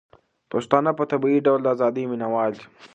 پښتانه په طبيعي ډول د ازادۍ مينه وال دي.